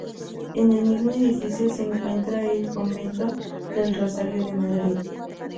En el mismo edificio se encuentra el Convento del Rosario de Madrid.